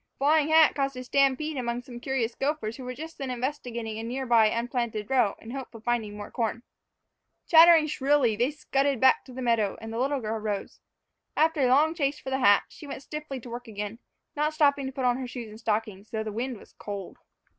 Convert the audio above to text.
The flying hat caused a stampede among some curious gophers who were just then investigating a near by unplanted row in the hope of finding more corn. Clattering shrilly, they scudded back to the meadow, and the little girl rose. After a long chase for the hat, she went stiffly to work again, not stopping to put on her shoes and stockings, though the wind was cold.